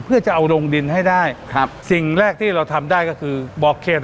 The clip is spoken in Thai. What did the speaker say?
เพื่อจะเอาลงดินให้ได้ครับสิ่งแรกที่เราทำได้ก็คือบอกเขต